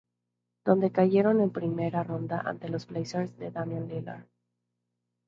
Donde cayeron en primera ronda ante los Blazers de Damian Lillard.